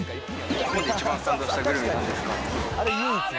日本で一番感動したグルメはなんですか？